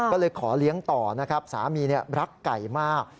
ก็เลยขอเลี้ยงต่อนะครับสามีรักไก่มาก